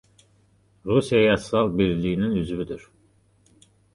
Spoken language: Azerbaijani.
Rusiya Yazıçılar Birliyinin üzvüdür.